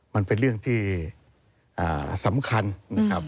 มันเป็นเรื่องที่สำคัญนะครับ